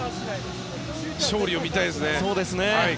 勝利を見たいですね。